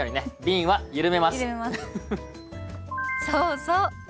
そうそう。